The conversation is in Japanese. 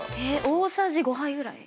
大さじ５杯ぐらい。